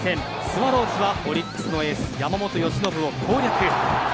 スワローズはオリックスのエース山本由伸を攻略。